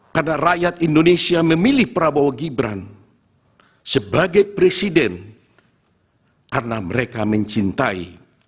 karena rakyat indonesia memilih prabowo gibran sebagai presiden karena mereka mencintai